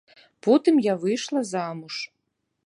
Потым я выйшла замуж.